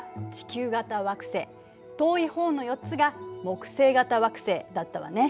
遠い方の４つが木星型惑星だったわね。